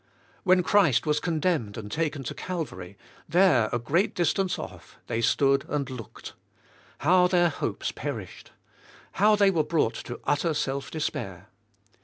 When Christ was condemned and taken to Calvary, there, a great distance off. they stood and looked I How their hopes perishedl How the J were brought to utter self despair!